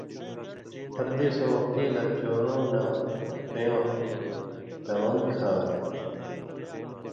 ہر دیسؤں وختی لا چؤروں نہ ݜویوں ہریۡ لون٘گ کھا۔